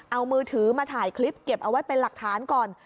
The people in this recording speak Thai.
เอามือถือมาถ่ายคลิปเก็บเอาไว้เป็นหลักฐานก่อน